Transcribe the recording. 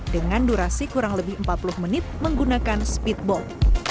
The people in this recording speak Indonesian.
dengan durasi kurang lebih empat puluh menit menggunakan speedboat